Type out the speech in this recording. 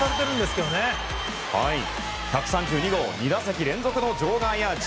１３２号２打席連続の場外アーチ。